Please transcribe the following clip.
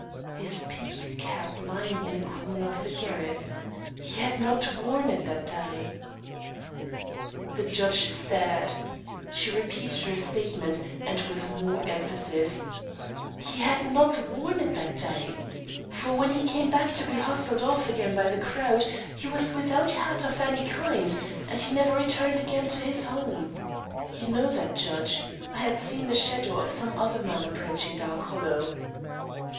"His peaked cap lying in a corner of the garret. He had not worn it that day." The judge stared. She repeated her statement, and with more emphasis: "He had not worn it that day; for when he came back to be hustled off again by the crowd, he was without hat of any kind, and he never returned again to his home you know that, judge. I had seen the shadow of some other man approaching Dark Hollow.